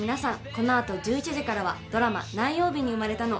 このあと１１時からはドラマ「何曜日に生まれたの」